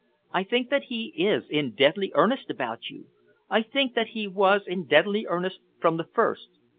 I think that he is in deadly earnest about you. I think that he was in deadly earnest from the first.